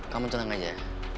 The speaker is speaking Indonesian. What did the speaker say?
kamu tenang aja